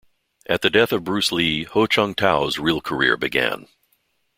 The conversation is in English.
At the death of Bruce Lee, Ho Chung-tao's real career began.